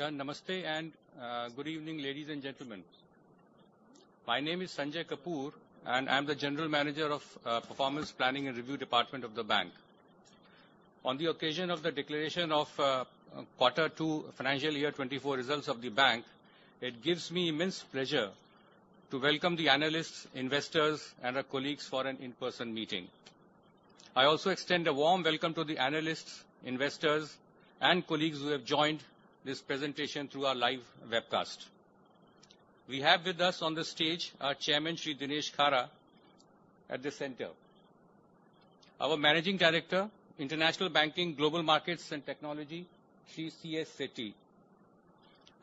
Yeah, Namaste, and good evening, ladies and gentlemen. My name is Sanjay Kapoor, and I'm the General Manager of Performance, Planning, and Review Department of the bank. On the occasion of the declaration of quarter two financial year 2024 results of the bank, it gives me immense pleasure to welcome the analysts, investors, and our colleagues for an in-person meeting. I also extend a warm welcome to the analysts, investors, and colleagues who have joined this presentation through our live webcast. We have with us on the stage our Chairman, Shri Dinesh Khara, at the center. Our Managing Director, International Banking, Global Markets and Technology, Shri C.S. Setty.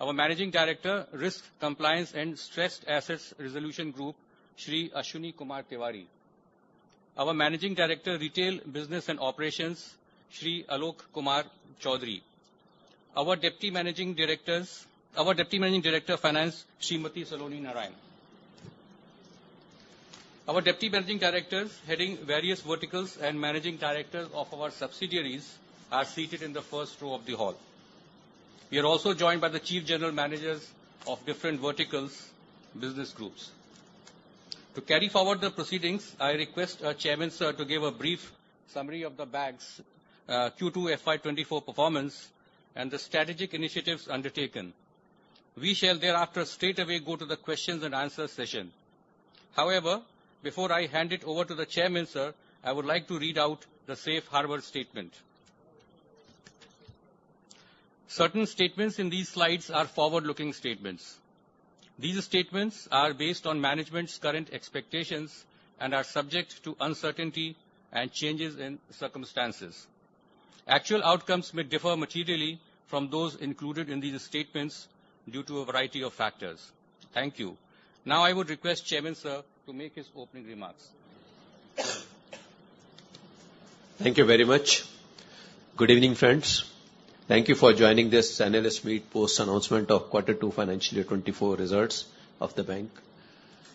Our Managing Director, Risk Compliance and Stressed Assets Resolution Group, Shri Ashwini Kumar Tewari. Our Managing Director, Retail Business and Operations, Shri Alok Kumar Choudhary. Our Deputy Managing Directors. Our Deputy Managing Director, Finance, Shrimati Saloni Narayan. Our Deputy Managing Directors, heading various verticals and Managing Directors of our subsidiaries, are seated in the first row of the hall. We are also joined by the Chief General Managers of different verticals business groups. To carry forward the proceedings, I request our Chairman, sir, to give a brief summary of the bank's Q2 FY 2024 performance and the strategic initiatives undertaken. We shall thereafter straightaway go to the questions and answer session. However, before I hand it over to the Chairman, sir, I would like to read out the safe harbor statement. Certain statements in these slides are forward-looking statements. These statements are based on management's current expectations and are subject to uncertainty and changes in circumstances. Actual outcomes may differ materially from those included in these statements due to a variety of factors. Thank you. Now, I would request Chairman, sir, to make his opening remarks. Thank you very much. Good evening, friends. Thank you for joining this analyst meet post-announcement of quarter two financial year 2024 results of the bank.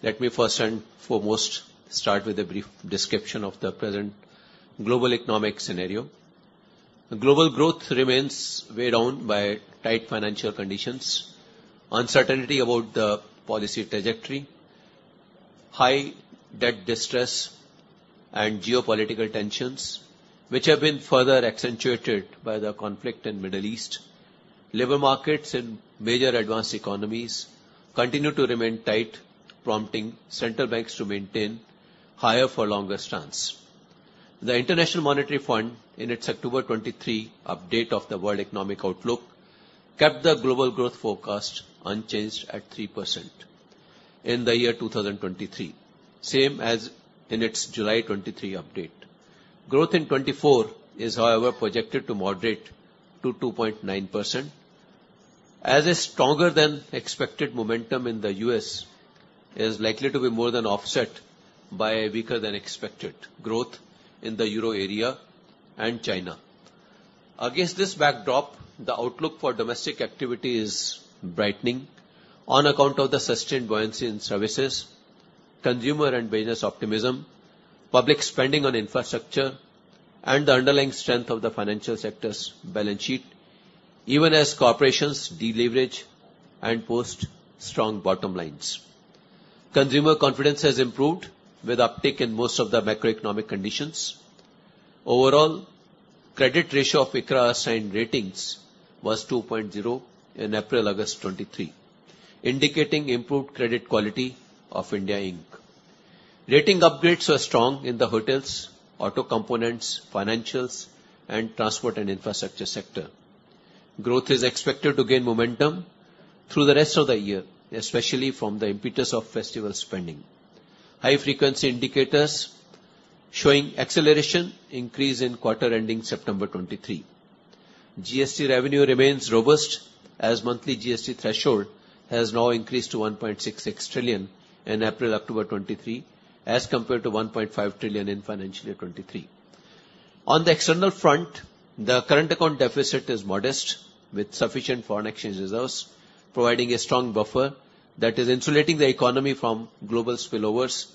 Let me first and foremost start with a brief description of the present global economic scenario. Global growth remains weighed down by tight financial conditions, uncertainty about the policy trajectory, high debt distress, and geopolitical tensions, which have been further accentuated by the conflict in Middle East. Labor markets in major advanced economies continue to remain tight, prompting central banks to maintain higher-for-longer stance. The International Monetary Fund, in its October 2023 update of the World Economic Outlook, kept the global growth forecast unchanged at 3% in the year 2023, same as in its July 2023 update. Growth in 2024 is, however, projected to moderate to 2.9%, as a stronger-than-expected momentum in the U.S. is likely to be more than offset by a weaker-than-expected growth in the Euro area and China. Against this backdrop, the outlook for domestic activity is brightening on account of the sustained buoyancy in services, consumer and business optimism, public spending on infrastructure, and the underlying strength of the financial sector's balance sheet, even as corporations deleverage and post strong bottom lines. Consumer confidence has improved with uptick in most of the macroeconomic conditions. Overall, credit ratio of ICRA assigned ratings was 2.0 in April-August 2023, indicating improved credit quality of India Inc. Rating upgrades were strong in the hotels, auto components, financials, and transport and infrastructure sector. Growth is expected to gain momentum through the rest of the year, especially from the impetus of festival spending. High-frequency indicators showing acceleration increase in quarter ending September 2023. GST revenue remains robust, as monthly GST threshold has now increased to 1.66 trillion in April-October 2023, as compared to 1.5 trillion in financial year 2023. On the external front, the current account deficit is modest, with sufficient foreign exchange reserves providing a strong buffer that is insulating the economy from global spillovers,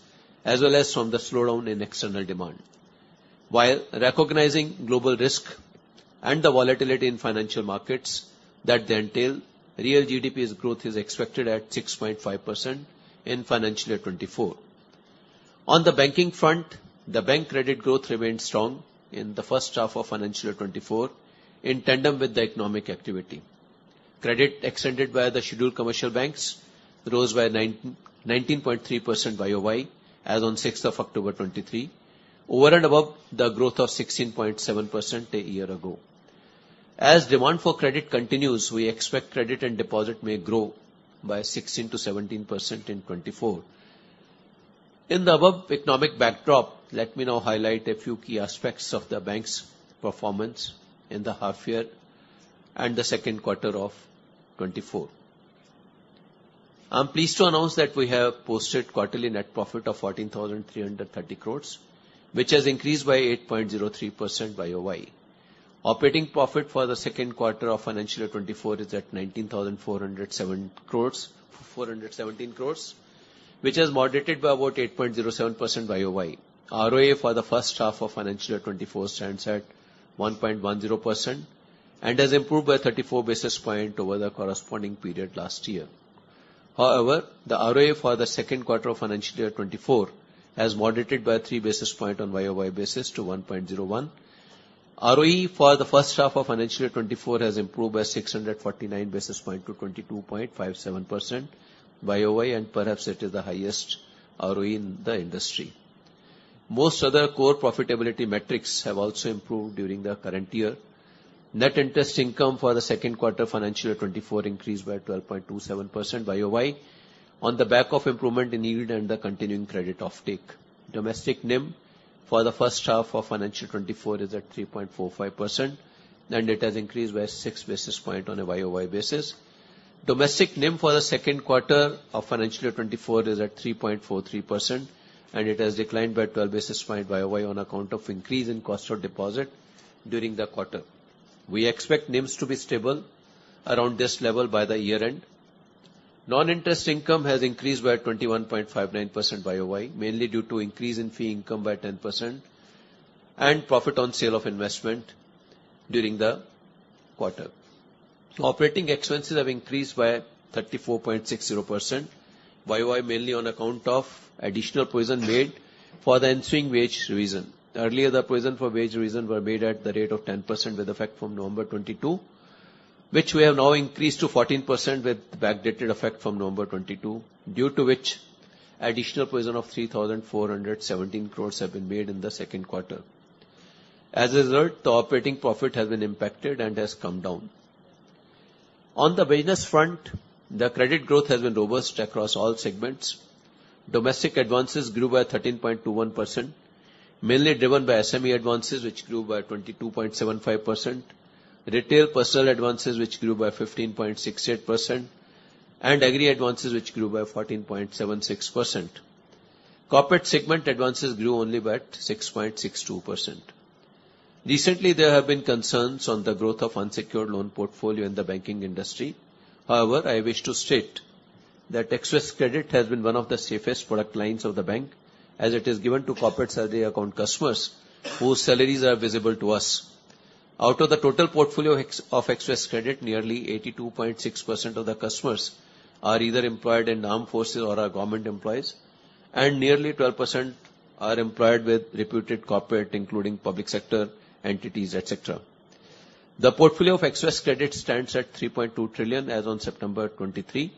as well as from the slowdown in external demand. While recognizing global risk and the volatility in financial markets that they entail, real GDP's growth is expected at 6.5% in financial year 2024. On the banking front, the bank credit growth remained strong in the first half of financial year 2024, in tandem with the economic activity. Credit extended by the scheduled commercial banks rose by 19.3% YoY, as on 6th October 2023, over and above the growth of 16.7% a year ago. As demand for credit continues, we expect credit and deposit may grow by 16%-17% in 2024. In the above economic backdrop, let me now highlight a few key aspects of the bank's performance in the half year and the second quarter of 2024. I'm pleased to announce that we have posted quarterly net profit of 14,330 crore, which has increased by 8.03% YoY. Operating profit for the second quarter of financial year 2024 is at 19,407 crore, 417 crore, which has moderated by about 8.07% YoY. ROA for the first half of financial year 2024 stands at 1.10%, and has improved by 34 basis points over the corresponding period last year. However, the ROA for the second quarter of financial year 2024 has moderated by 3 basis points on YoY basis to 1.01%. ROE for the first half of financial year 2024 has improved by 649 basis points to 22.57% YoY, and perhaps it is the highest ROE in the industry. Most other core profitability metrics have also improved during the current year. Net interest income for the second quarter financial year 2024 increased by 12.27% YoY, on the back of improvement in yield and the continuing credit offtake. Domestic NIM for the first half of financial 2024 is at 3.45%, and it has increased by 6 basis points on a YoY basis. Domestic NIM for the second quarter of financial year 2024 is at 3.43%, and it has declined by 12 basis points YoY on account of increase in cost of deposits during the quarter. We expect NIMs to be stable around this level by the year-end. Non-interest income has increased by 21.59% YoY, mainly due to increase in fee income by 10% and profit on sale of investment during the quarter. Operating expenses have increased by 34.60% YoY, mainly on account of additional provision made for the ensuing wage revision. Earlier, the provision for wage revision were made at the rate of 10%, with effect from November 2022, which we have now increased to 14%, with backdated effect from November 2022, due to which additional provision of 3,417 crore have been made in the second quarter. As a result, the operating profit has been impacted and has come down. On the business front, the credit growth has been robust across all segments. Domestic Advances grew by 13.21%, mainly driven by SME Advances, which grew by 22.75%, Retail Personal Advances, which grew by 15.68%, and Agri Advances, which grew by 14.76%. Corporate Segment Advances grew only by 6.62%. Recently, there have been concerns on the growth of unsecured loan portfolio in the banking industry. However, I wish to state that Xpress Credit has been one of the safest product lines of the bank, as it is given to corporate salary account customers, whose salaries are visible to us. Out of the total portfolio ex of Xpress Credit, nearly 82.6% of the customers are either employed in armed forces or are government employees, and nearly 12% are employed with reputed corporate, including public sector entities, et cetera. The portfolio of Xpress Credit stands at 3.2 trillion as on September 2023,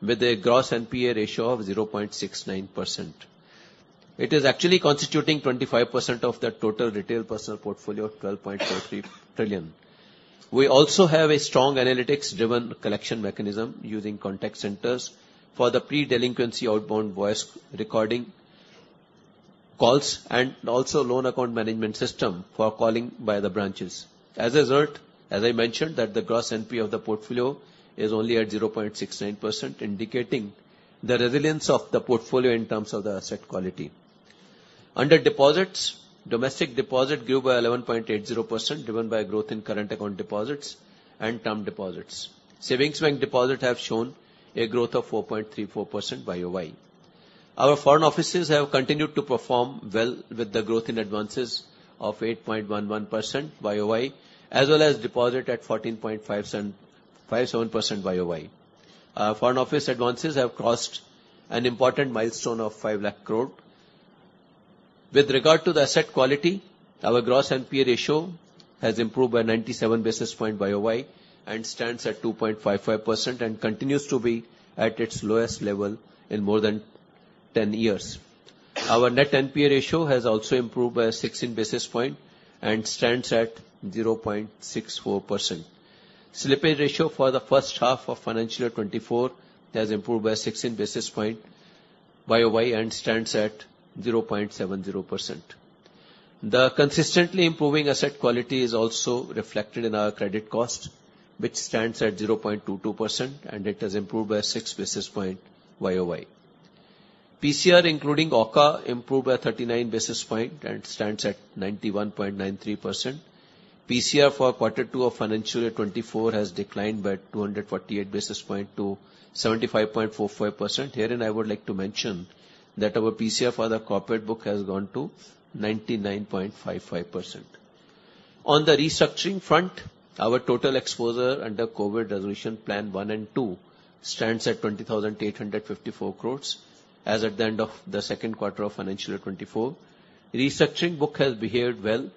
with a gross NPA ratio of 0.69%. It is actually constituting 25% of the total retail personal portfolio of 12.43 trillion. We also have a strong analytics-driven collection mechanism using contact centers for the pre-delinquency outbound voice recording calls, and also loan account management system for calling by the branches. As a result, as I mentioned, that the gross NPA of the portfolio is only at 0.69%, indicating the resilience of the portfolio in terms of the asset quality. Under deposits, domestic deposit grew by 11.80%, driven by growth in current account deposits and term deposits. Savings bank deposit have shown a growth of 4.34% YoY. Our foreign offices have continued to perform well with the growth in advances of 8.11% YoY, as well as deposit at 14.57% YoY. Foreign office advances have crossed an important milestone of 500,000 crore. With regard to the asset quality, our gross NPA ratio has improved by 97 basis point YoY, and stands at 2.55%, and continues to be at its lowest level in more than 10 years. Our net NPA ratio has also improved by 16 basis point and stands at 0.64%. Slippage ratio for the first half of financial year 2024 has improved by 16 basis point YoY, and stands at 0.70%. The consistently improving asset quality is also reflected in our credit cost, which stands at 0.22%, and it has improved by 6 basis point YoY. PCR, including AUCA, improved by 39 basis point and stands at 91.93%. PCR for quarter two of financial year 2024 has declined by 248 basis point to 75.45%. Herein, I would like to mention that our PCR for the corporate book has gone to 99.55%. On the restructuring front, our total exposure under COVID Resolution Plan 1 and 2 stands at 20,854 crore as at the end of the second quarter of financial year 2024. Restructuring book has behaved well,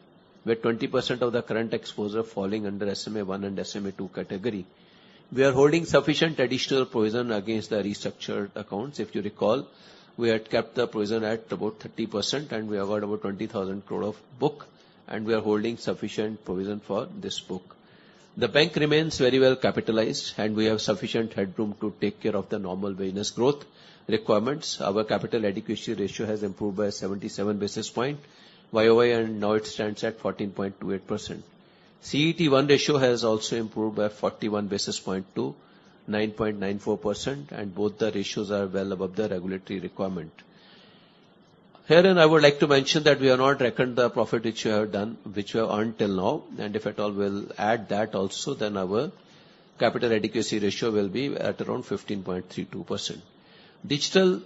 with 20% of the current exposure falling under SMA 1 and SMA 2 category. We are holding sufficient additional provision against the restructured accounts. If you recall, we had kept the provision at about 30%, and we have got about 20,000 crore of book, and we are holding sufficient provision for this book. The bank remains very well capitalized, and we have sufficient headroom to take care of the normal business growth requirements. Our capital adequacy ratio has improved by 77 basis points YoY, and now it stands at 14.28%. CET1 ratio has also improved by 41 basis points to 9.94%, and both the ratios are well above the regulatory requirement. Herein, I would like to mention that we have not reckoned the profit which we have done, which we have earned till now, and if at all we'll add that also, then our capital adequacy ratio will be at around 15.32%. Digital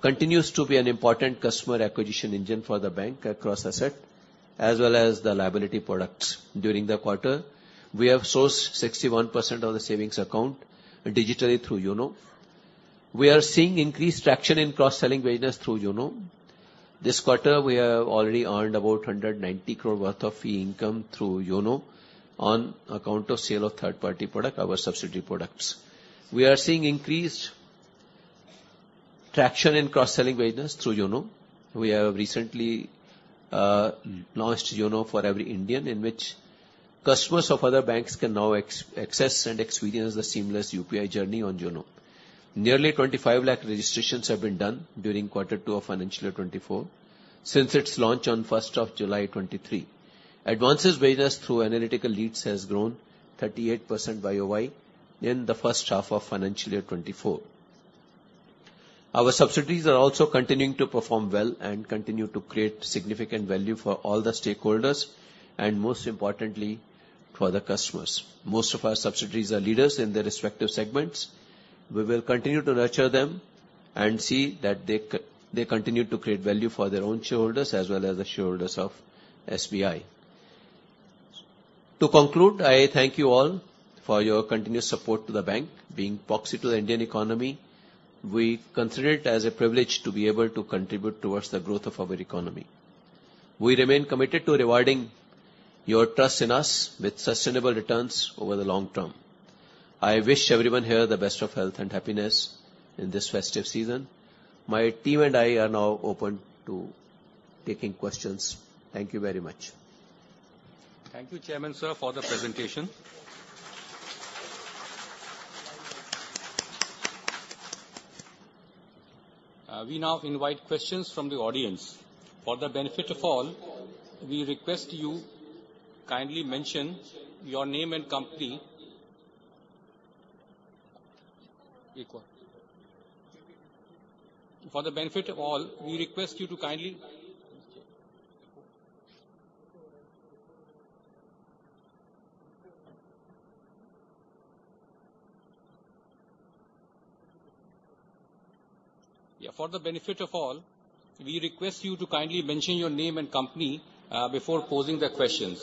continues to be an important customer acquisition engine for the bank across asset as well as the liability products. During the quarter, we have sourced 61% of the savings account digitally through YONO. We are seeing increased traction in cross-selling business through YONO. This quarter, we have already earned about 190 crore worth of fee income through YONO on account of sale of third-party product, our subsidiary products. We are seeing increased traction in cross-selling business through YONO. We have recently launched YONO for Every Indian, in which customers of other banks can now access and experience the seamless UPI journey on YONO. Nearly 25 lakh registrations have been done during quarter two of financial year 2024, since its launch on first of July 2023. Advances business through analytical leads has grown 38% YoY in the first half of financial year 2024. Our subsidiaries are also continuing to perform well and continue to create significant value for all the stakeholders and most importantly, for the customers. Most of our subsidiaries are leaders in their respective segments. We will continue to nurture them and see that they continue to create value for their own shareholders as well as the shareholders of SBI. To conclude, I thank you all for your continuous support to the bank. Being proxy to the Indian economy, we consider it as a privilege to be able to contribute towards the growth of our economy. We remain committed to rewarding your trust in us with sustainable returns over the long term. I wish everyone here the best of health and happiness in this festive season. My team and I are now open to taking questions. Thank you very much. Thank you, Chairman, sir, for the presentation. We now invite questions from the audience. For the benefit of all, we request you to kindly mention your name and company before posing the questions.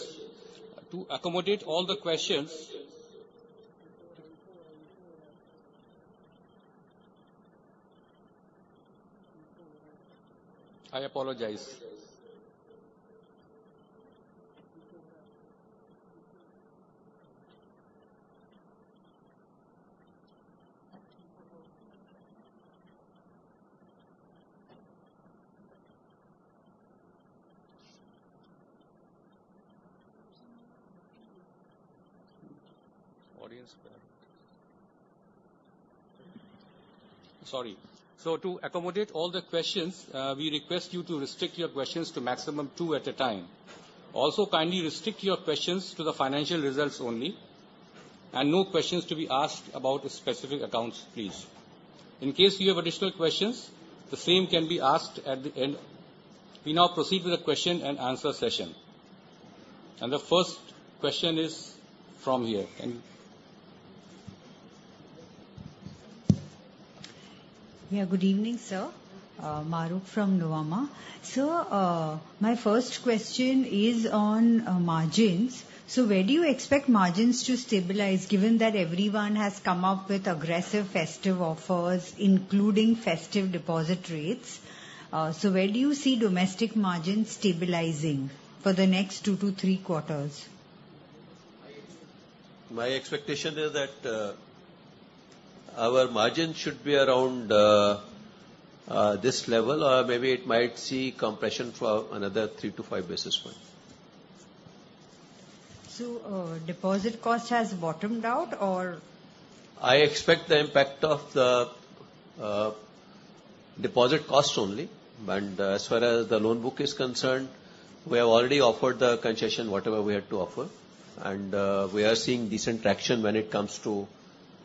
To accommodate all the questions, we request you to restrict your questions to maximum two at a time. Also, kindly restrict your questions to the financial results only, and no questions to be asked about the specific accounts, please. In case you have additional questions, the same can be asked at the end. We now proceed with the question and answer session. The first question is from here. Yeah, good evening, sir. Mahrukh from Nuvama. Sir, my first question is on, margins. So where do you expect margins to stabilize, given that everyone has come up with aggressive festive offers, including festive deposit rates? So where do you see domestic margins stabilizing for the next two to three quarters? My expectation is that our margin should be around this level, or maybe it might see compression for another 3-5 basis points. Deposit cost has bottomed out, or? I expect the impact of the deposit costs only, and as far as the loan book is concerned, we have already offered the concession, whatever we had to offer, and we are seeing decent traction when it comes to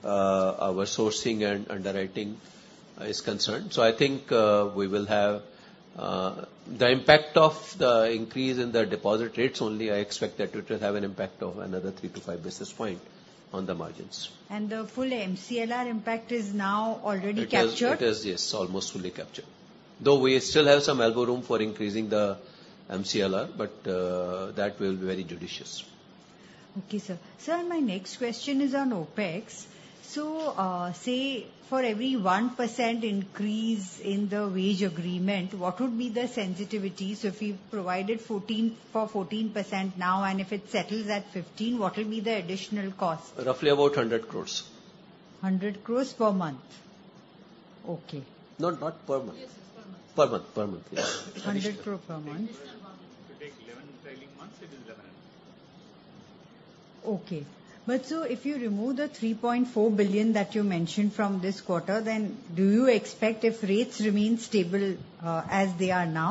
our sourcing and underwriting is concerned. So I think we will have the impact of the increase in the deposit rates only. I expect that it will have an impact of another 3-5 basis point on the margins. The full MCLR impact is now already captured? It is, it is, yes, almost fully captured. Though we still have some elbow room for increasing the MCLR, but that will be very judicious. Okay, sir. Sir, my next question is on OpEx. So, say, for every 1% increase in the wage agreement, what would be the sensitivity? So if you've provided fourteen-- for 14% now, and if it settles at 15%, what will be the additional cost? Roughly about 100 crore. 100 crore per month? Okay. No, not per month. Yes, it's per month. Per month, per month, yes. 100 crore per month. If you take 11 trailing months, it is 11. Okay. But so if you remove the 3.4 billion that you mentioned from this quarter, then do you expect, if rates remain stable, as they are now?...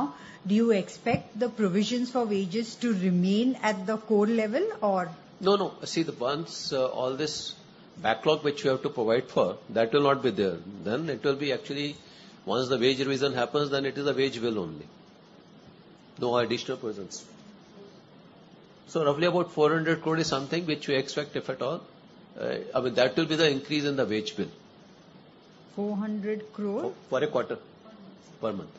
do you expect the provisions for wages to remain at the core level or? No, no. See, then, once all this backlog which you have to provide for, that will not be there, then it will be actually once the wage revision happens, then it is a wage bill only. No additional provisions. So roughly about 400 crore is something which we expect, if at all, I mean, that will be the increase in the wage bill. 400 crore? For a quarter. Per month. Per month.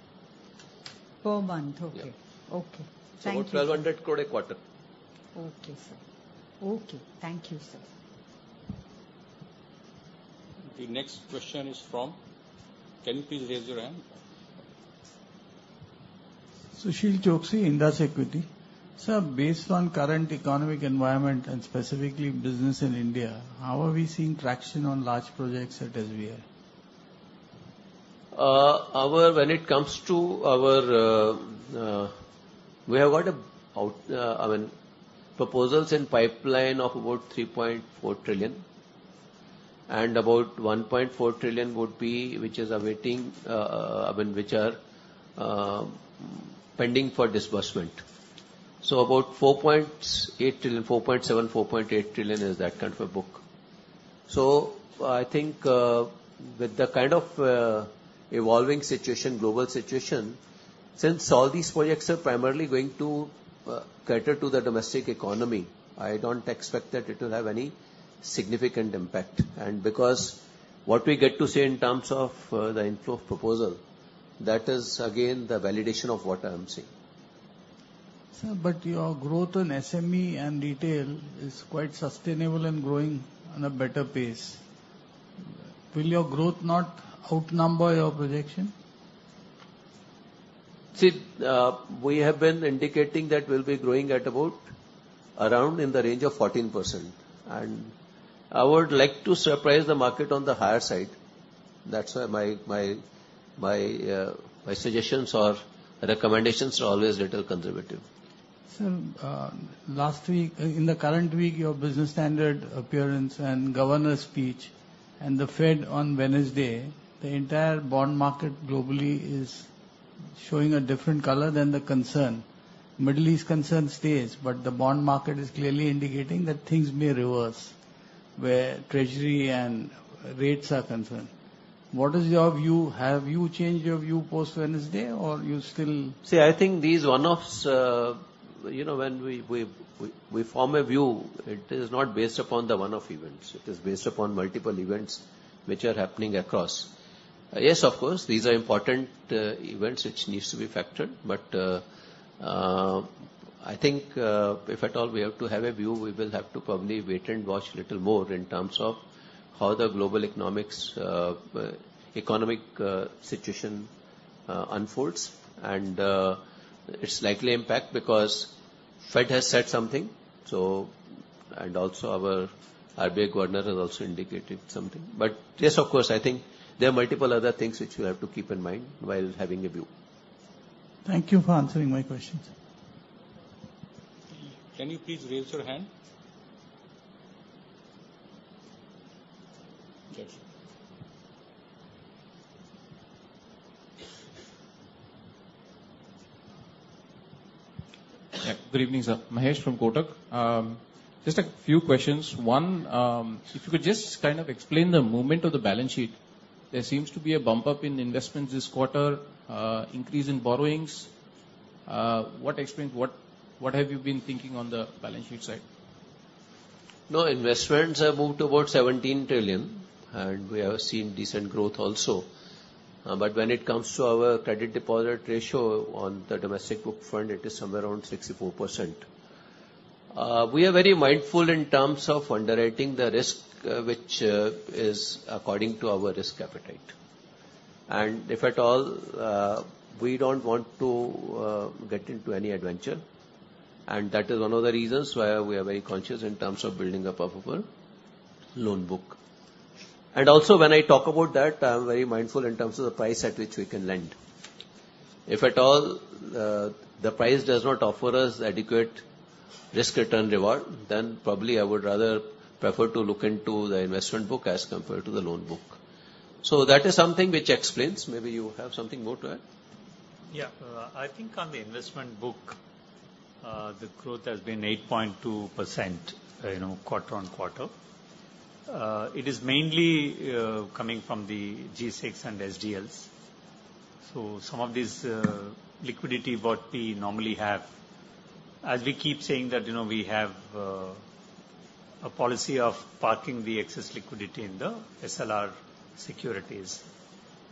Per month, okay. Yeah. Okay. Thank you. 1,200 crore a quarter. Okay, sir. Okay, thank you, sir. The next question is from... Can you please raise your hand? Sushil Choksey, Indus Equity. Sir, based on current economic environment and specifically business in India, how are we seeing traction on large projects at SBI? When it comes to our, we have got, I mean, proposals in pipeline of about 3.4 trillion, and about 1.4 trillion would be, which is awaiting, I mean, which are, pending for disbursement. So about 4.8 trillion, 4.7 trillion, 4.8 trillion is that kind of a book. So I think, with the kind of, evolving situation, global situation, since all these projects are primarily going to, cater to the domestic economy, I don't expect that it will have any significant impact. And because what we get to see in terms of, the inflow of proposal, that is again, the validation of what I am saying. Sir, but your growth in SME and retail is quite sustainable and growing on a better pace. Will your growth not outnumber your projection? See, we have been indicating that we'll be growing at about around in the range of 14%, and I would like to surprise the market on the higher side. That's why my suggestions or recommendations are always a little conservative. Sir, last week, in the current week, your Business Standard appearance and Governor's speech and the Fed on Wednesday, the entire bond market globally is showing a different color than the concern. Middle East concern stays, but the bond market is clearly indicating that things may reverse, where treasury and rates are concerned. What is your view? Have you changed your view post-Wednesday, or you still- See, I think these one-offs, you know, when we form a view, it is not based upon the one-off events, it is based upon multiple events which are happening across. Yes, of course, these are important events which needs to be factored, but, I think, if at all we have to have a view, we will have to probably wait and watch little more in terms of how the global economic situation unfolds, and its likely impact because Fed has said something, so... And also our RBI governor has also indicated something. But yes, of course, I think there are multiple other things which you have to keep in mind while having a view. Thank you for answering my question, sir. Can you please raise your hand? Yes. Yeah. Good evening, sir. Mahesh from Kotak. Just a few questions. One, if you could just kind of explain the movement of the balance sheet. There seems to be a bump up in investments this quarter, increase in borrowings. What explains, what have you been thinking on the balance sheet side? No, investments have moved about 17 trillion, and we have seen decent growth also. But when it comes to our credit deposit ratio on the domestic book front, it is somewhere around 64%. We are very mindful in terms of underwriting the risk, which is according to our risk appetite. And if at all, we don't want to get into any adventure, and that is one of the reasons why we are very conscious in terms of building up of our loan book. And also when I talk about that, I'm very mindful in terms of the price at which we can lend. If at all, the price does not offer us adequate risk/return reward, then probably I would rather prefer to look into the investment book as compared to the loan book. So that is something which explains. Maybe you have something more to add? Yeah. I think on the investment book, the growth has been 8.2%, you know, quarter-on-quarter. It is mainly coming from the G-Secs and SDLs. So some of this liquidity, what we normally have, as we keep saying that, you know, we have a policy of parking the excess liquidity in the SLR securities,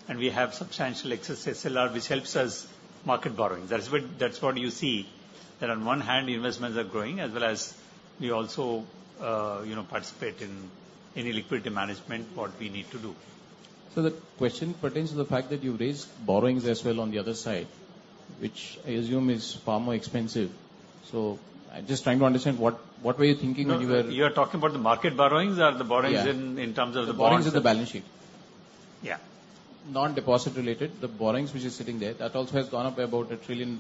and we have substantial excess SLR, which helps us market borrowing. That's what, that's what you see, that on one hand, investments are growing, as well as we also, you know, participate in any liquidity management, what we need to do. So the question pertains to the fact that you've raised borrowings as well on the other side, which I assume is far more expensive. So I'm just trying to understand, what were you thinking when you were- You're talking about the market borrowings or the borrowings in- Yeah. -in terms of the bonds? The borrowings in the balance sheet. Yeah. Non-deposit related, the borrowings, which is sitting there, that also has gone up by about 1 trillion,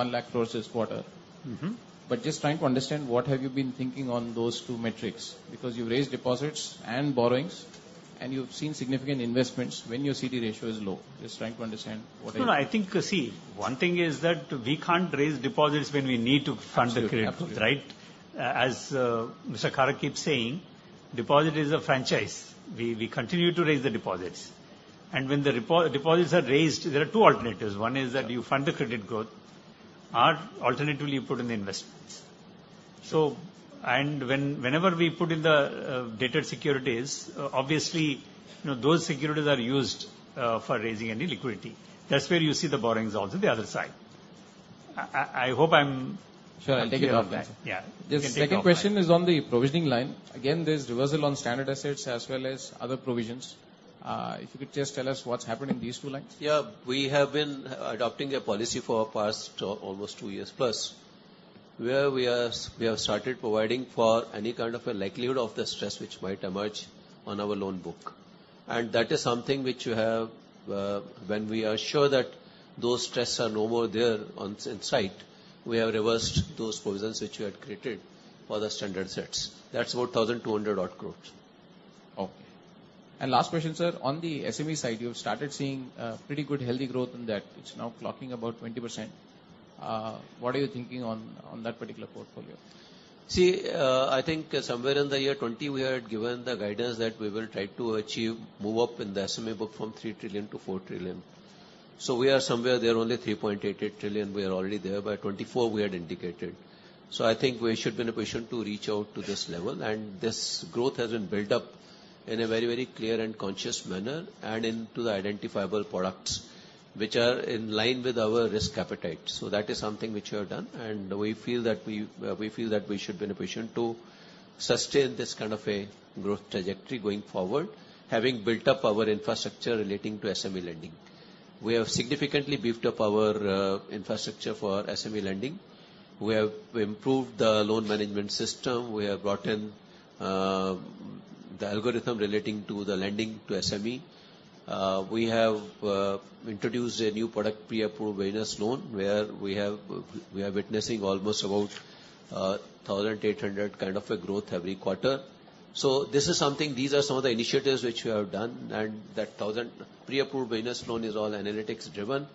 100,000 crore this quarter. Mm-hmm. But just trying to understand, what have you been thinking on those two metrics? Because you've raised deposits and borrowings... and you've seen significant investments when your CD ratio is low. Just trying to understand what I- No, no, I think, see, one thing is that we can't raise deposits when we need to fund the credit, right? Absolutely. As Mr. Khara keeps saying, deposit is a franchise. We continue to raise the deposits. And when the deposits are raised, there are two alternatives. One is that you fund the credit growth, or alternatively, you put in the investments. So and when, whenever we put in the dated securities, obviously, you know, those securities are used for raising any liquidity. That's where you see the borrowings also on the other side. I hope I'm- Sure, I'll take it off that. Yeah. The second question is on the provisioning line. Again, there's reversal on standard assets as well as other provisions. If you could just tell us what's happening in these two lines? Yeah. We have been adopting a policy for the past almost two years plus, where we have started providing for any kind of a likelihood of the stress which might emerge on our loan book. That is something which you have, when we are sure that those stress are no more there on, in sight, we have reversed those provisions which we had created for the standard sets. That's about 1,200 odd crore. Okay. Last question, sir. On the SME side, you have started seeing pretty good healthy growth in that. It's now clocking about 20%. What are you thinking on, on that particular portfolio? See, I think somewhere in the year 2020, we had given the guidance that we will try to achieve move up in the SME book from 3 trillion to 4 trillion. So we are somewhere there, only 3.88 trillion. We are already there. By 2024, we had indicated. So I think we should be in a position to reach out to this level, and this growth has been built up in a very, very clear and conscious manner, and into the identifiable products, which are in line with our risk appetite. So that is something which we have done, and we feel that we, we feel that we should be in a position to sustain this kind of a growth trajectory going forward, having built up our infrastructure relating to SME lending. We have significantly beefed up our infrastructure for SME lending. We have improved the loan management system. We have brought in the algorithm relating to the lending to SME. We have introduced a new product, pre-approved business loan, where we have, we are witnessing almost about 1,800 kind of a growth every quarter. So this is something, these are some of the initiatives which we have done, and that 1,000 pre-approved business loan is all analytics driven,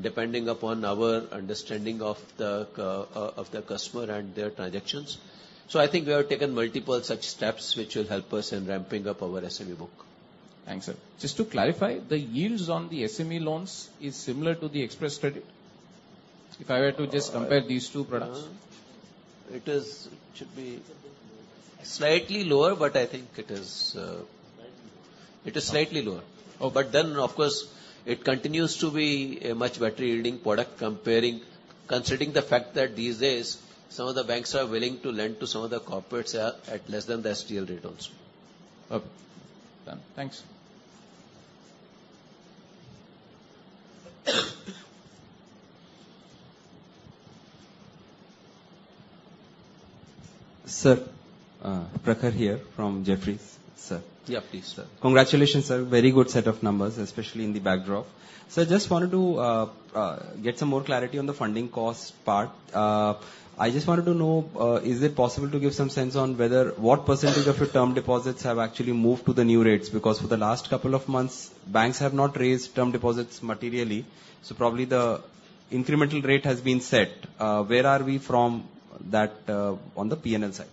depending upon our understanding of the customer and their transactions. So I think we have taken multiple such steps which will help us in ramping up our SME book. Thanks, sir. Just to clarify, the yields on the SME loans is similar to the Xpress Credit? If I were to just compare these two products. It is, it should be slightly lower, but I think it is. Slightly lower. It is slightly lower. Oh, but then, of course, it continues to be a much better yielding product, considering the fact that these days some of the banks are willing to lend to some of the corporates at, at less than the STL rate also. Okay. Done. Thanks. Sir, Prakhar here from Jefferies, sir. Yeah, please, sir. Congratulations, sir. Very good set of numbers, especially in the backdrop. Sir, I just wanted to get some more clarity on the funding cost part. I just wanted to know, is it possible to give some sense on whether what percentage of your term deposits have actually moved to the new rates? Because for the last couple of months, banks have not raised term deposits materially, so probably the incremental rate has been set. Where are we from that, on the P&L side?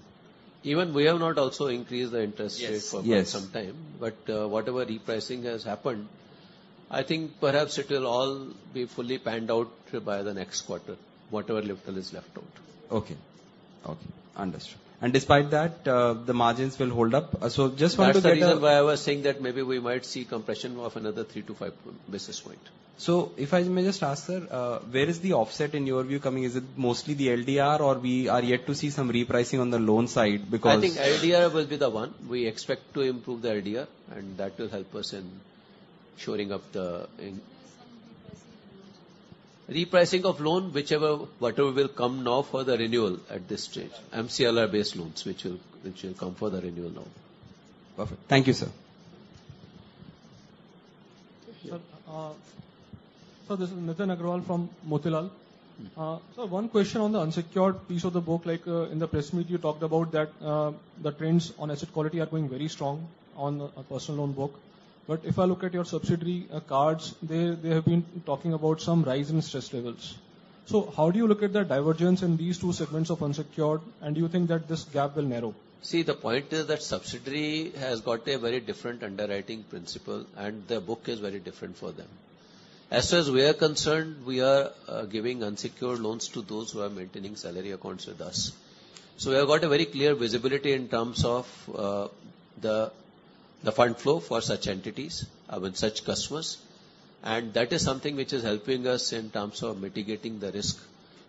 Even we have not also increased the interest rate. Yes, yes. for some time, but, whatever repricing has happened, I think perhaps it will all be fully panned out by the next quarter, whatever little is left out. Okay. Okay, understood. And despite that, the margins will hold up. So just wanted to get a- That's the reason why I was saying that maybe we might see compression of another 3-5 basis points. If I may just ask, sir, where is the offset in your view coming? Is it mostly the LDR, or we are yet to see some repricing on the loan side? Because- I think LDR will be the one. We expect to improve the LDR, and that will help us in shoring up the in- Repricing of loans. Repricing of loan, whichever, whatever will come now for the renewal at this stage, MCLR-based loans, which will come for the renewal now. Perfect. Thank you, sir. Sir, sir, this is Nitin Aggarwal from Motilal. Sir, one question on the unsecured piece of the book, like, in the press meet, you talked about that, the trends on asset quality are going very strong on a personal loan book. But if I look at your subsidiary, cards, they, they have been talking about some rise in stress levels. So how do you look at the divergence in these two segments of unsecured, and do you think that this gap will narrow? See, the point is that subsidiary has got a very different underwriting principle, and their book is very different for them. As far as we are concerned, we are giving unsecured loans to those who are maintaining salary accounts with us. So we have got a very clear visibility in terms of the fund flow for such entities with such customers, and that is something which is helping us in terms of mitigating the risk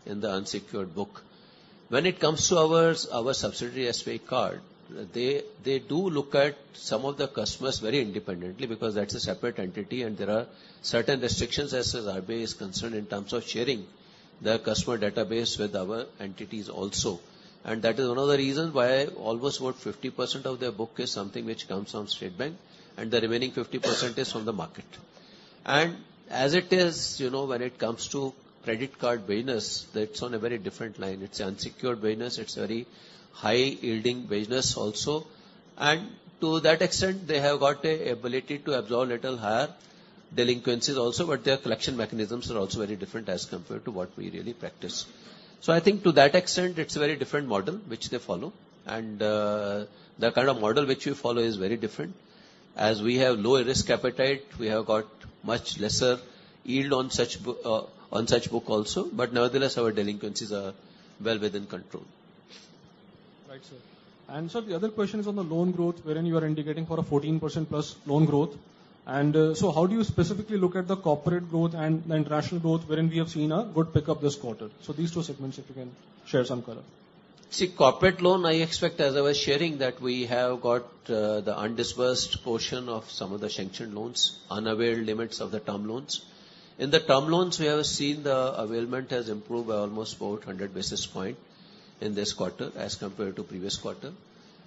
in the unsecured book. When it comes to our subsidiary, SBI Card, they do look at some of the customers very independently, because that's a separate entity and there are certain restrictions, as RBI is concerned, in terms of sharing their customer database with our entities also. And that is one of the reasons why almost about 50% of their book is something which comes from State Bank, and the remaining 50% is from the market. And as it is, you know, when it comes to credit card business, that's on a very different line. It's unsecured business, it's very high-yielding business also. And to that extent, they have got the ability to absorb little higher delinquencies also, but their collection mechanisms are also very different as compared to what we really practice. So I think to that extent, it's a very different model which they follow, and, the kind of model which we follow is very different. As we have lower risk appetite, we have got much lesser yield on such book also, but nevertheless, our delinquencies are well within control. Right, sir. And sir, the other question is on the loan growth, wherein you are indicating for a 14%+ loan growth. And so how do you specifically look at the corporate growth and the international growth, wherein we have seen a good pick up this quarter? So these two segments, if you can share some color. See, corporate loan, I expect, as I was sharing, that we have got the undisbursed portion of some of the sanctioned loans, unavailed limits of the term loans. In the term loans, we have seen the availment has improved by almost 400 basis point in this quarter as compared to previous quarter.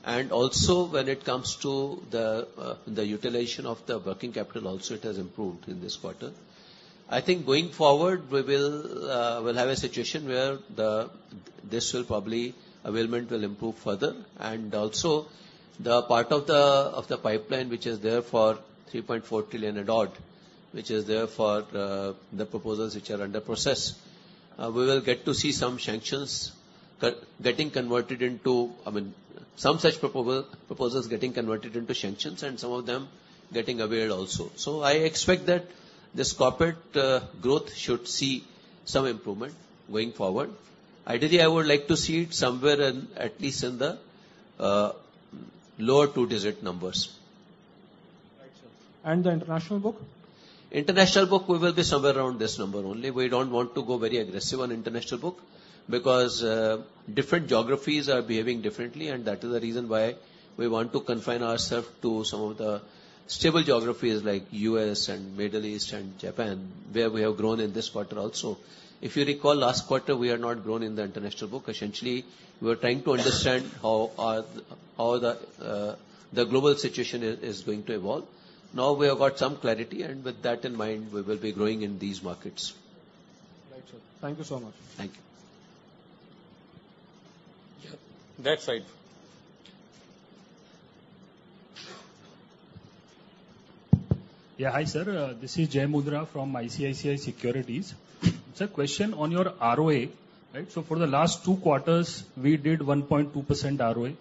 And also, when it comes to the the utilization of the working capital also, it has improved in this quarter. I think going forward, we will we'll have a situation where this will probably, availment will improve further. And also, the part of the pipeline, which is there for 3.4 trillion and odd, which is there for the proposals which are under process, we will get to see some sanctions getting converted into... I mean, some such proposal, proposals getting converted into sanctions, and some of them getting availed also. So I expect that this corporate growth should see some improvement going forward. Ideally, I would like to see it somewhere in, at least in the lower two-digit numbers. Right, sir. And the international book? International book, we will be somewhere around this number only. We don't want to go very aggressive on international book, because different geographies are behaving differently, and that is the reason why we want to confine ourselves to some of the stable geographies like U.S. and Middle East and Japan, where we have grown in this quarter also. If you recall, last quarter, we have not grown in the international book. Essentially, we were trying to understand how are, how the, the global situation is, is going to evolve. Now we have got some clarity, and with that in mind, we will be growing in these markets. Right, sir. Thank you so much. Thank you. Yeah, that side. Yeah. Hi, sir, this is Jai Mundhra from ICICI Securities. Sir, question on your ROA, right? So for the last two quarters, we did 1.2% ROA.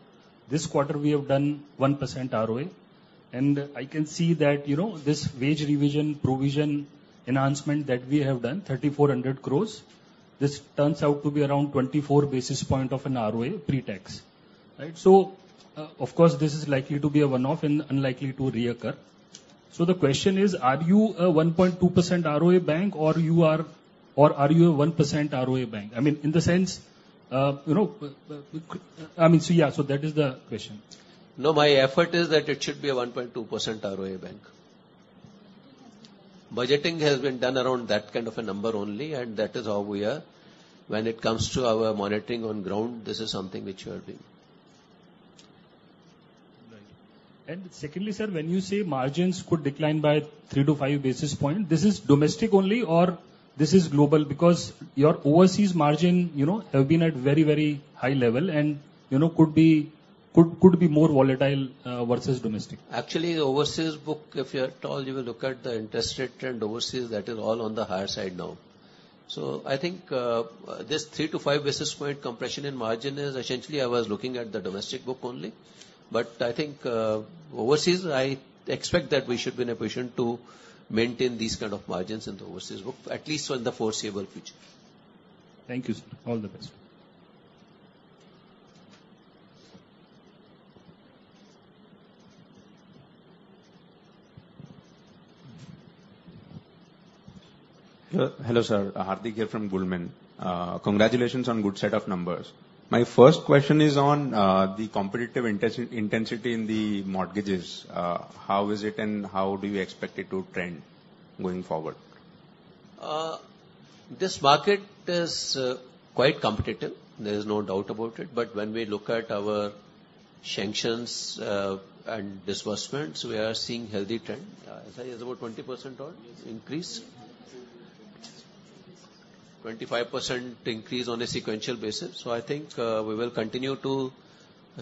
This quarter, we have done 1% ROA. And I can see that, you know, this wage revision, provision enhancement that we have done, 3,400 crore, this turns out to be around 24 basis points of an ROA pre-tax, right? So, of course, this is likely to be a one-off and unlikely to reoccur. So the question is, are you a 1.2% ROA bank, or you are-- or are you a 1% ROA bank? I mean, in the sense, you know, I mean, so yeah, so that is the question. No, my effort is that it should be a 1.2% ROA bank. Budgeting has been done around that kind of a number only, and that is how we are. When it comes to our monitoring on ground, this is something which we are doing. Right. And secondly, sir, when you say margins could decline by 3-5 basis point, this is domestic only or this is global? Because your overseas margin, you know, have been at very, very high level and, you know, could be more volatile versus domestic. Actually, overseas book, if you at all, you will look at the interest rate and overseas, that is all on the higher side now. So I think this 3-5 basis point compression in margin is essentially, I was looking at the domestic book only. But I think overseas, I expect that we should be in a position to maintain these kind of margins in the overseas book, at least for the foreseeable future. Thank you, sir. All the best. Hello, sir. Hardik here from Goldman. Congratulations on good set of numbers. My first question is on the competitive intensity in the mortgages. How is it and how do you expect it to trend going forward? This market is quite competitive, there is no doubt about it. But when we look at our sanctions and disbursements, we are seeing healthy trend. It's about 20% or increase? 25% increase on a sequential basis. So I think we will continue to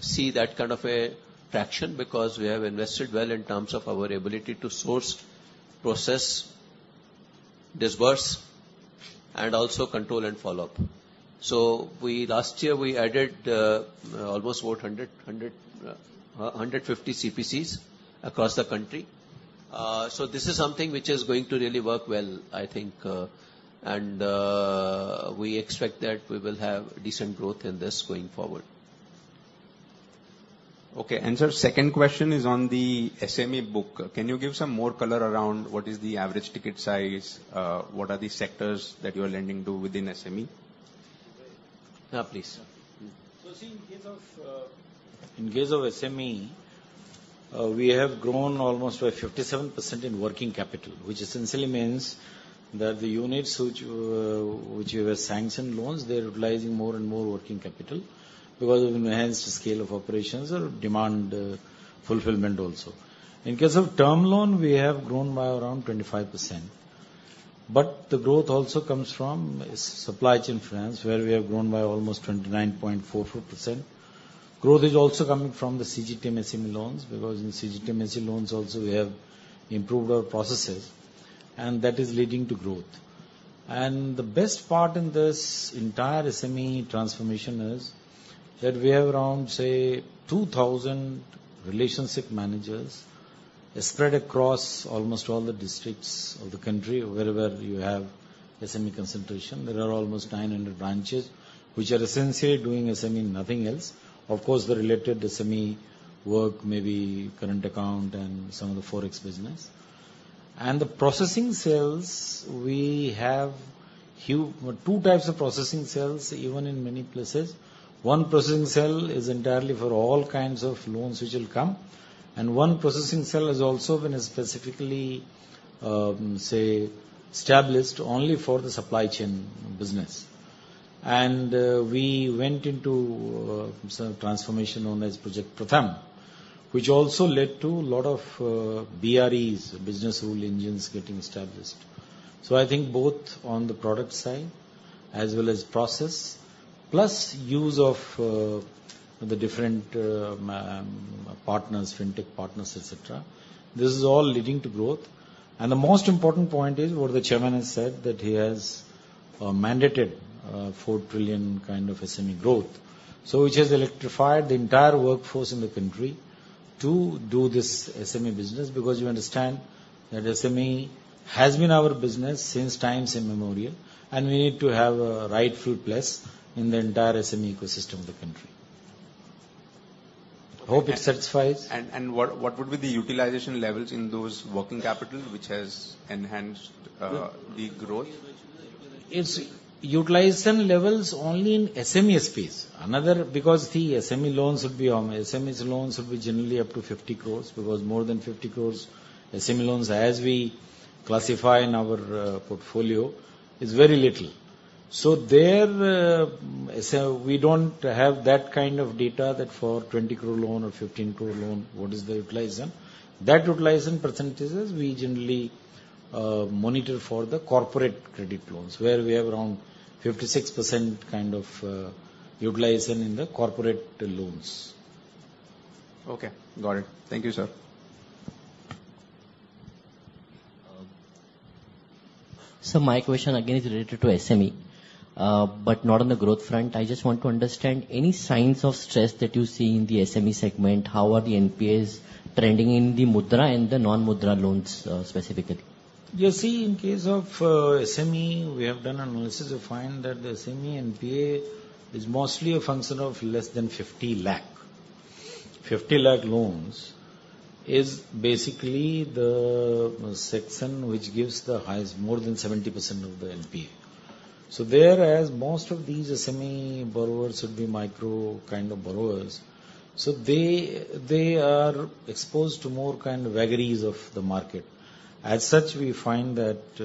see that kind of a traction, because we have invested well in terms of our ability to source, process, disperse, and also control and follow up. So, last year, we added almost about 150 CPCs across the country. So this is something which is going to really work well, I think, and we expect that we will have decent growth in this going forward. Okay. And sir, second question is on the SME book. Can you give some more color around what is the average ticket size? What are the sectors that you are lending to within SME? Yeah, please. So see, in case of SME, we have grown almost by 57% in working capital, which essentially means that the units which we have sanctioned loans, they're utilizing more and more working capital because of enhanced scale of operations or demand, fulfillment also. In case of term loan, we have grown by around 25%. But the growth also comes from supply chain finance, where we have grown by almost 29.44%. Growth is also coming from the CGTMSE SME loans, because in CGTMSE SME loans also we have improved our processes, and that is leading to growth. And the best part in this entire SME transformation is that we have around, say, 2,000 relationship managers spread across almost all the districts of the country, wherever you have SME concentration. There are almost 900 branches, which are essentially doing SME, nothing else. Of course, the related SME work, maybe current account and some of the forex business. The processing cells, we have two types of processing cells, even in many places. One processing cell is entirely for all kinds of loans which will come, and one processing cell has also been specifically, say, established only for the supply chain business. We went into a transformation known as Project Pratham, which also led to a lot of BREs, business rule engines, getting established. So I think both on the product side as well as process, plus use of the different partners, Fintech partners, et cetera. This is all leading to growth. The most important point is what the chairman has said, that he has mandated 4 trillion kind of SME growth. Which has electrified the entire workforce in the country to do this SME business, because you understand that SME has been our business since times immemorial, and we need to have a right foot plus in the entire SME ecosystem of the country. Hope it satisfies. And what would be the utilization levels in those working capital, which has enhanced the growth? It's utilization levels only in SME space. Another, because the SME loans would be SMEs loans would be generally up to 50 crore, because more than 50 crore SME loans, as we classify in our portfolio, is very little. So there, so we don't have that kind of data that for 20 crore loan or 15 crore loan, what is the utilization? That utilization percentages, we generally monitor for the corporate credit loans, where we have around 56% kind of utilization in the corporate loans. Okay, got it. Thank you, sir. So my question again is related to SME, but not on the growth front. I just want to understand any signs of stress that you see in the SME segment. How are the NPAs trending in the Mudra and the non-Mudra loans, specifically? You see, in case of SME, we have done analysis to find that the SME NPA is mostly a function of less than 50 lakh. 50 lakh loans is basically the section which gives the highest, more than 70% of the NPA. So whereas most of these SME borrowers would be micro kind of borrowers, so they, they are exposed to more kind of vagaries of the market. As such, we find that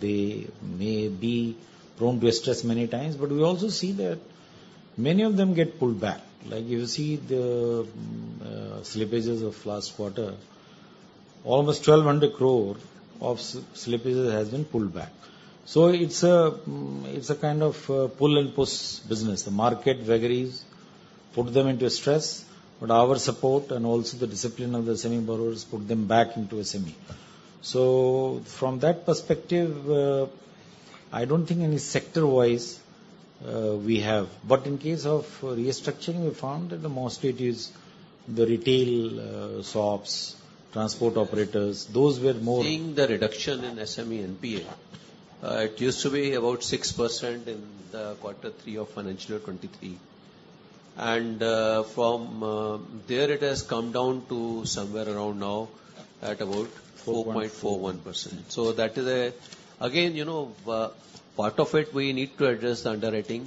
they may be prone to stress many times, but we also see that many of them get pulled back. Like, if you see the slippages of last quarter, almost 1,200 crore of slippages has been pulled back. So it's a, it's a kind of pull and push business. The market vagaries put them into a stress, but our support and also the discipline of the SME borrowers put them back into SME. So from that perspective, I don't think any sector-wise, we have, but in case of restructuring, we found that the most it is the retail, shops, transport operators, those were more- Seeing the reduction in SME NPA, it used to be about 6% in quarter three of financial 2023. And from there, it has come down to somewhere around now at about 4.41%. So that is a... Again, you know, part of it, we need to address the underwriting,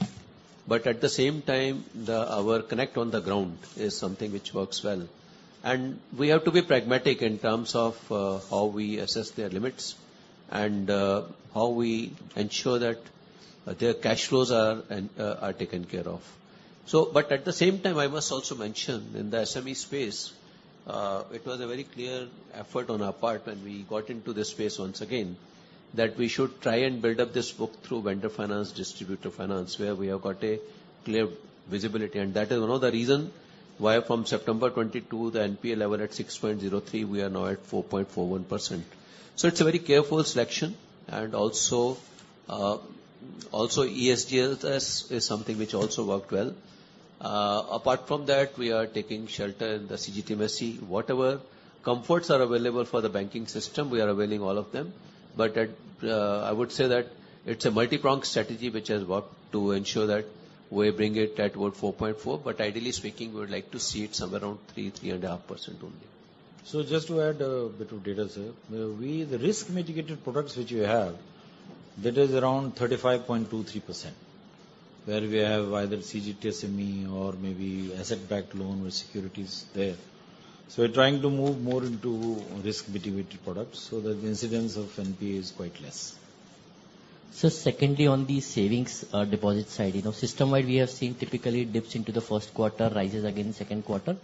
but at the same time, our connect on the ground is something which works well. And we have to be pragmatic in terms of how we assess their limits and how we ensure that their cash flows are taken care of. So, but at the same time, I must also mention, in the SME space, it was a very clear effort on our part when we got into this space once again, that we should try and build up this book through vendor finance, distributor finance, where we have got a clear visibility. And that is one of the reason why from September 2022, the NPA level at 6.03%, we are now at 4.41%. So it's a very careful selection, and also, also ECLGS is something which also worked well. Apart from that, we are taking shelter in the CGTMSE. Whatever comforts are available for the banking system, we are availing all of them. But at, I would say that it's a multi-pronged strategy which has worked to ensure that we bring it at about 4.4%. Ideally speaking, we would like to see it somewhere around 3%-3.5% only. So just to add a bit of data, sir. We, the risk mitigated products which we have, that is around 35.23%, where we have either CGTMSE or maybe asset-backed loan with securities there. So we're trying to move more into risk mitigated products so that the incidence of NPA is quite less.... So secondly, on the savings deposit side, you know, system-wide, we have seen typically dips into the first quarter, rises again second quarter.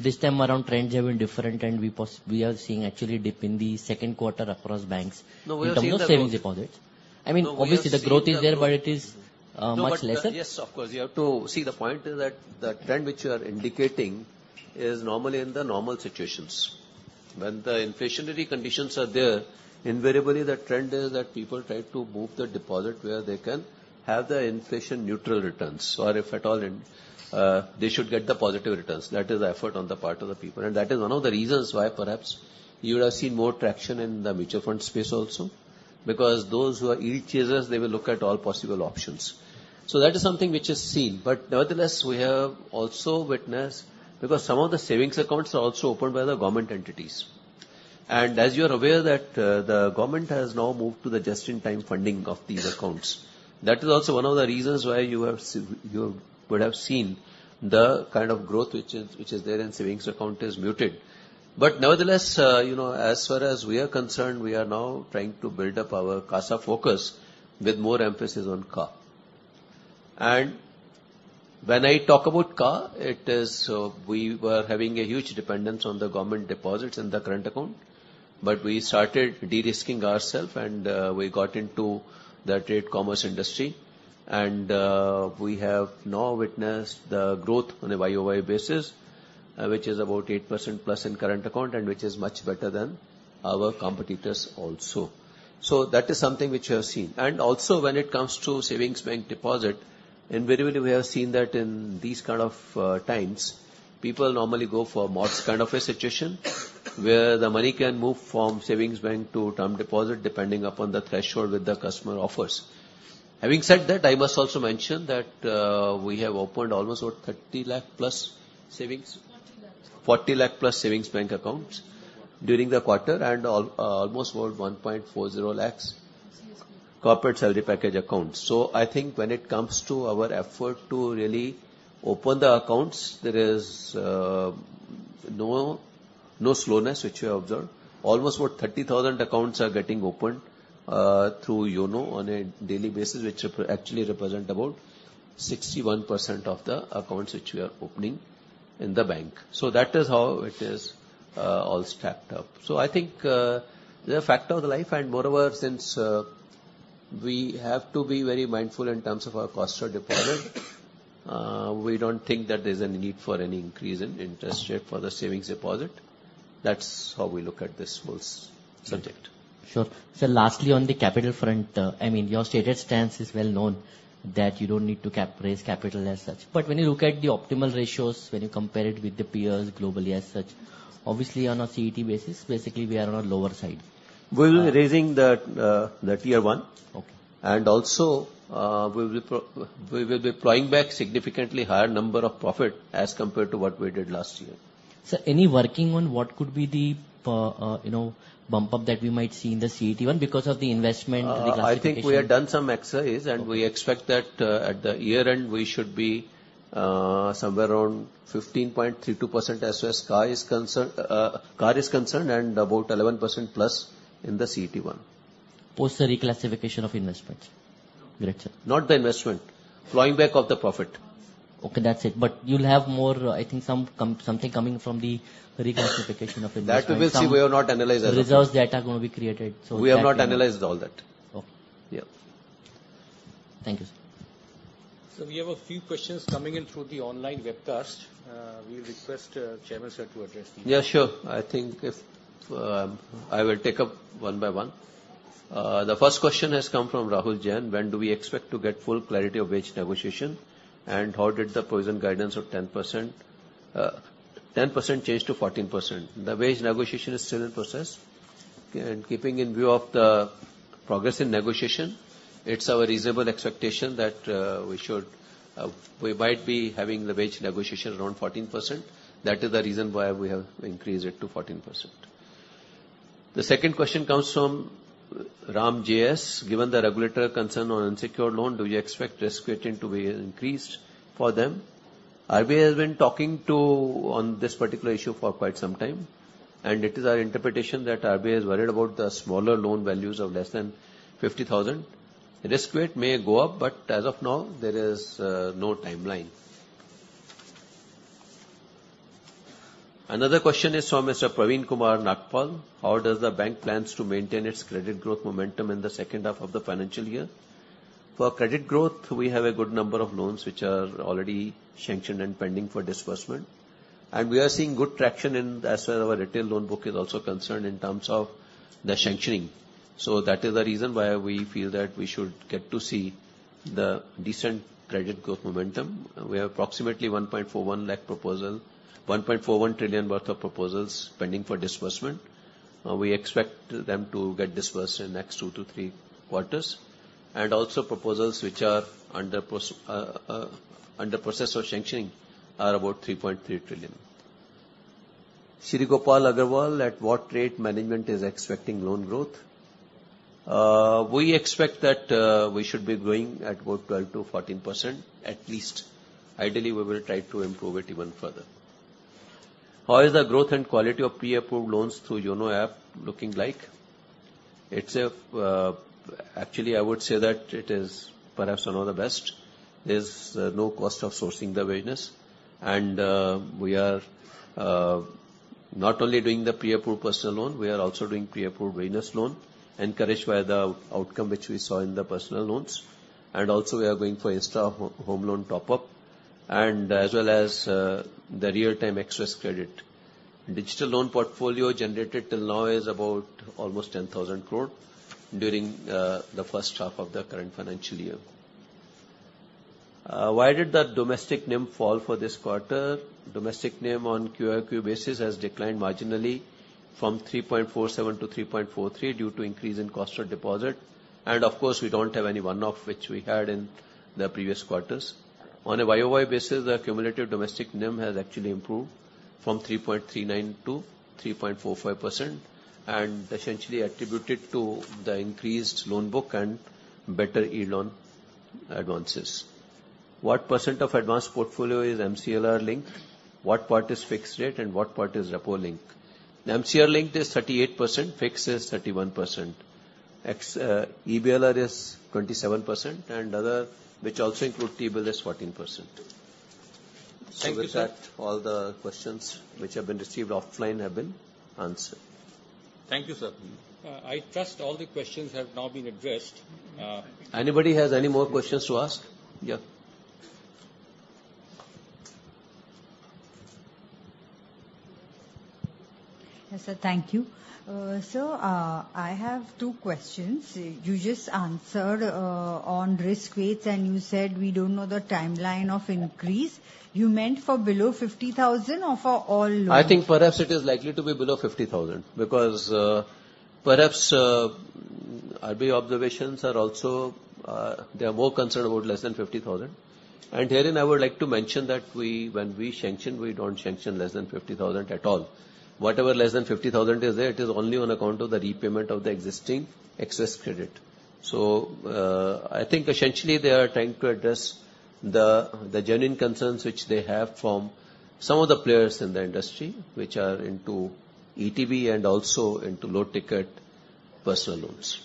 This time around, trends have been different, and we are seeing actually dip in the second quarter across banks- No, we have seen- In terms of savings deposits. I mean, obviously- No, we have seen the growth. The growth is there, but it is much lesser. No, but yes, of course. You have to see the point is that the trend which you are indicating is normally in the normal situations. When the inflationary conditions are there, invariably the trend is that people try to move the deposit where they can have the inflation neutral returns, or if at all, they should get the positive returns. That is the effort on the part of the people, and that is one of the reasons why perhaps you would have seen more traction in the mutual fund space also, because those who are yield chasers, they will look at all possible options. So that is something which is seen. But nevertheless, we have also witnessed, because some of the savings accounts are also opened by the government entities. And as you are aware, that the government has now moved to the just-in-time funding of these accounts. That is also one of the reasons why you would have seen the kind of growth which is there in savings account is muted. But nevertheless, you know, as far as we are concerned, we are now trying to build up our CASA focus with more emphasis on CA. And when I talk about CA, it is we were having a huge dependence on the government deposits in the current account, but we started de-risking ourselves and we got into the trade commerce industry. And we have now witnessed the growth on a YoY basis, which is about 8%+ in current account and which is much better than our competitors also. So that is something which you have seen. Also, when it comes to savings bank deposit, invariably we have seen that in these kind of times, people normally go for month's kind of a situation, where the money can move from savings bank to term deposit, depending upon the threshold with the customer offers. Having said that, I must also mention that we have opened almost about 30 lakh plus savings? 40 lakh+ savings bank accounts during the quarter, and almost about 1.40 lakhs- CSP. Corporate Salary Package accounts. So I think when it comes to our effort to really open the accounts, there is no slowness, which we have observed. Almost about 30,000 accounts are getting opened through YONO on a daily basis, which actually represent about 61% of the accounts which we are opening in the bank. So that is how it is all stacked up. So I think the fact of the life, and moreover, since we have to be very mindful in terms of our cost of deposit, we don't think that there's any need for any increase in interest rate for the savings deposit. That's how we look at this whole subject. Sure. Sir, lastly, on the capital front, I mean, your stated stance is well known that you don't need to raise capital as such. But when you look at the optimal ratios, when you compare it with the peers globally as such, obviously on a CET basis, basically we are on a lower side. We will be raising the Tier 1. Okay. And also, we will be plowing back significantly higher number of profit as compared to what we did last year. Sir, any working on what could be the, you know, bump up that we might see in the CET1 because of the investment reclassification? I think we have done some exercise- Okay. And we expect that, at the year-end, we should be somewhere around 15.32% as far as CA is concerned, CA is concerned, and about 11%+ in the CET1. Post the reclassification of investments. Correct, sir? Not the investment, plowing back of the profit. Okay, that's it. But you'll have more, I think something coming from the reclassification of investment. That we will see. We have not analyzed that. The reserves that are going to be created, so- We have not analyzed all that. Okay. Yeah. Thank you, sir. So we have a few questions coming in through the online webcast. We request, Chairman Sir, to address these. Yeah, sure. I think I will take up one by one. The first question has come from Rahul Jain: When do we expect to get full clarity of wage negotiation, and how did the present guidance of 10%, 10% change to 14%? The wage negotiation is still in process. And keeping in view of the progress in negotiation, it's our reasonable expectation that, we should, we might be having the wage negotiation around 14%. That is the reason why we have increased it to 14%. The second question comes from Ram JS: Given the regulatory concern on unsecured loan, do you expect risk weighting to be increased for them? RBI has been talking to on this particular issue for quite some time, and it is our interpretation that RBI is worried about the smaller loan values of less than 50,000. Risk weight may go up, but as of now, there is no timeline. Another question is from Mr. Praveen Kumar Nagpal: How does the bank plans to maintain its credit growth momentum in the second half of the financial year? For credit growth, we have a good number of loans which are already sanctioned and pending for disbursement. And we are seeing good traction in as well, our retail loan book is also concerned in terms of the sanctioning. So that is the reason why we feel that we should get to see the decent credit growth momentum. We have approximately 1.41 lakh proposals, 1.41 trillion worth of proposals pending for disbursement. We expect them to get disbursed in the next two to three quarters. And also proposals which are under process of sanctioning are about 3.3 trillion. Sri Gopal Agarwal: At what rate management is expecting loan growth? We expect that we should be growing at about 12%-14%, at least. Ideally, we will try to improve it even further... How is the growth and quality of pre-approved loans through YONO app looking like? It's a, actually, I would say that it is perhaps one of the best. There's no cost of sourcing the business, and we are not only doing the pre-approved personal loan, we are also doing pre-approved business loan, encouraged by the outcome which we saw in the personal loans. And also, we are going for Insta Home Loan Top-Up, and as well as the Xpress Credit. Digital loan portfolio generated till now is about almost 10,000 crore during the first half of the current financial year. Why did the domestic NIM fall for this quarter? Domestic NIM on QoQ basis has declined marginally from 3.47% to 3.43% due to increase in cost of deposit. And of course, we don't have any one-off, which we had in the previous quarters. On a YoY basis, the cumulative domestic NIM has actually improved from 3.39% to 3.45%, and essentially attributed to the increased loan book and better yield on advances. What percent of advances portfolio is MCLR linked? What part is fixed rate and what part is Repo-linked? The MCLR linked is 38%, fixed is 31%. EBLR is 27%, and other, which also include T-bill, is 14%. Thank you, sir. With that, all the questions which have been received offline have been answered. Thank you, sir. I trust all the questions have now been addressed. Anybody has any more questions to ask? Yeah. Yes, sir. Thank you. Sir, I have two questions. You just answered on risk weights, and you said we don't know the timeline of increase. You meant for below 50,000 or for all loans? I think perhaps it is likely to be below 50,000, because, perhaps, RBI observations are also... they are more concerned about less than 50,000. And herein, I would like to mention that we—when we sanction, we don't sanction less than 50,000 at all. Whatever less than 50,000 is there, it is only on account of the repayment of the existing excess credit. So, I think essentially they are trying to address the, the genuine concerns which they have from some of the players in the industry, which are into ETB and also into low-ticket personal loans.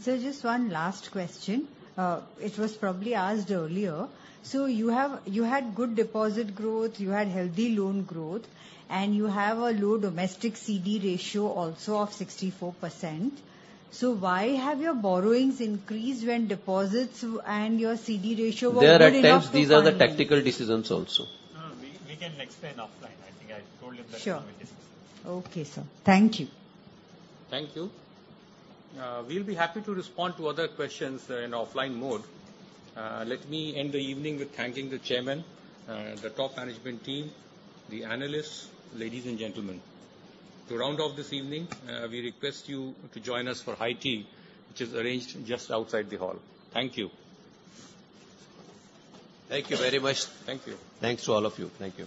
Sir, just one last question. It was probably asked earlier. You have—you had good deposit growth, you had healthy loan growth, and you have a low domestic CD Ratio also of 64%. So why have your borrowings increased when deposits and your CD Ratio were good enough to fund you? There are times these are the tactical decisions also. No, we can explain offline. I think I told you that in the discussions. Sure. Okay, sir. Thank you. Thank you. We'll be happy to respond to other questions in offline mode. Let me end the evening with thanking the chairman, the top management team, the analysts, ladies and gentlemen. To round off this evening, we request you to join us for high tea, which is arranged just outside the hall. Thank you. Thank you very much. Thank you. Thanks to all of you. Thank you.